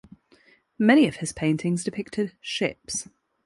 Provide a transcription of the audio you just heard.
Many of his paintings depicted ships.